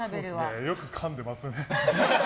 よくかんでますね。